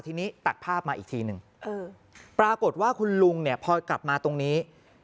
ทีนี้ตัดภาพมาอีกทีหนึ่งปรากฏว่าคุณลุงเนี่ยพอกลับมาตรงนี้